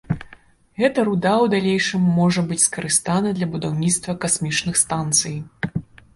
Гэта руда ў далейшым можа быць скарыстана для будаўніцтва касмічных станцый.